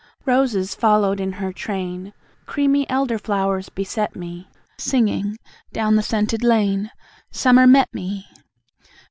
Roses followed in her train, Creamy elder flowers beset me, Singing, down the scented lane, Summer met me!